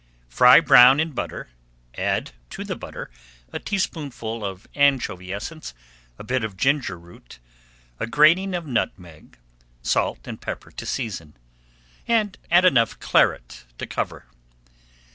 Fry brown in butter, add to the butter a teaspoonful of anchovy essence, a bit of ginger root, a grating of nutmeg, salt and pepper to season, and enough Claret to cover.